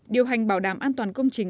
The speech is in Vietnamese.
điều hành bảo đảm an toàn công trình